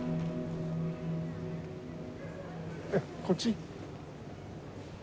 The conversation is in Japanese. こっち？